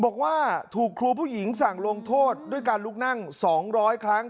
บอกว่าถูกครูผู้หญิงสั่งลงโทษด้วยการลุกนั่ง๒๐๐ครั้ง